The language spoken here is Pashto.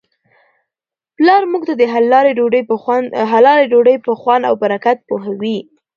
پلارموږ ته د حلالې ډوډی په خوند او برکت پوهوي.